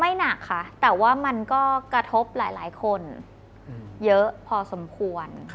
หนักค่ะแต่ว่ามันก็กระทบหลายคนเยอะพอสมควร